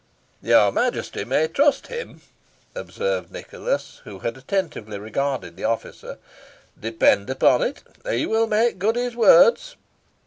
"Your Majesty may trust him," observed Nicholas, who had attentively regarded the officer. "Depend upon it he will make good his words."